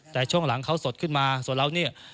แต่ช่วงหลังเขาสดขึ้นมาส่วนเราเนี่ย